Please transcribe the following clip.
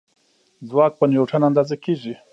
ځواک په نیوټن اندازه کېږي.